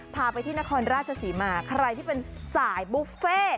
พาไปที่นครราชศรีมาใครที่เป็นสายบุฟเฟ่